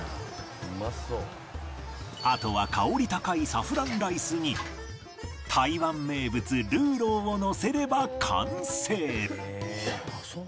あとは香り高いサフランライスに台湾名物魯肉をのせれば完成